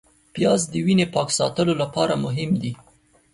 پیاز د وینې پاک ساتلو لپاره مهم دی